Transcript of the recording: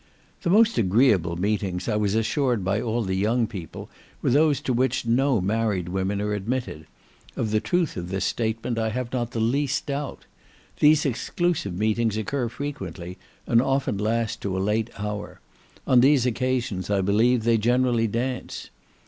The most agreeable meetings, I was assured by all the young people, were those to which no married women are admitted; of the truth of this statement I have not the least doubt. These exclusive meetings occur frequently, and often last to a late hour; on these occasions, I believe, they generally dance.